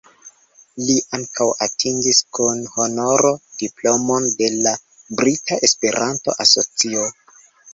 Li ankaŭ atingis kun honoro diplomon de la Brita Esperanto-Asocio.